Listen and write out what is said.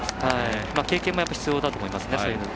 経験も必要だと思います。